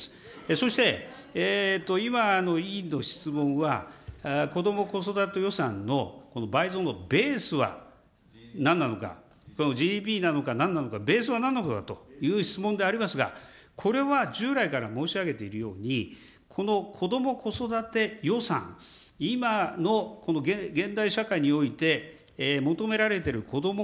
そして今、委員の質問は、こども・子育て予算の倍増のベースはなんなのか、このＧＤＰなのか、何なのか、ベースはなんなのかという質問でありますが、これは従来から申し上げているように、このこども・子育て予算、今のこの現代社会において求められてるこども・